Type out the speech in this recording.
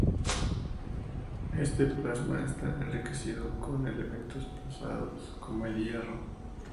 Este plasma está enriquecido con elementos pesados, como el hierro.